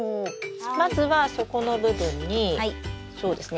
まずは底の部分にそうですね